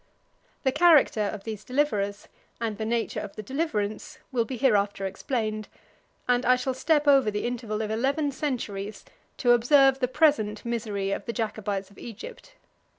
The character of these deliverers, and the nature of the deliverance, will be hereafter explained; and I shall step over the interval of eleven centuries to observe the present misery of the Jacobites of Egypt.